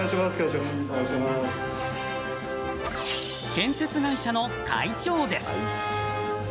建設会社の会長です。